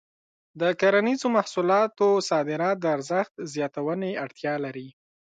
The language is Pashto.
د کرنیزو محصولاتو صادرات د ارزښت زیاتونې اړتیا لري.